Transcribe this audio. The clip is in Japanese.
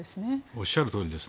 おっしゃるとおりです。